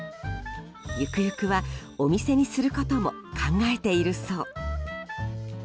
ゆくゆくはお店にすることも考えているそう。